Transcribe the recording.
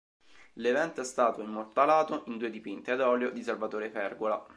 L'evento è stato immortalato in due dipinti ad olio di Salvatore Fergola.